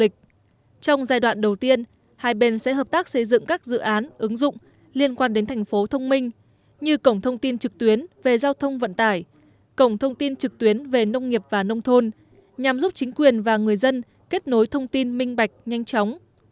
trong giai đoạn đầu tiên hai bên sẽ hợp tác xây dựng các dự án ứng dụng liên quan đến thành phố thông minh như cổng thông tin trực tuyến về giao thông vận tải cổng thông tin trực tuyến về nông nghiệp và nông thôn nhằm giúp chính quyền và người dân kết nối thông tin minh bạch nhanh chóng